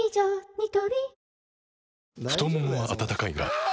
ニトリ太ももは温かいがあ！